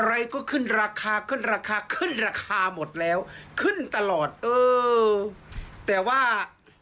อะไรก็ขึ้นราคาขึ้นราคาขึ้นราคาหมดแล้วขึ้นตลอดเออแต่ว่า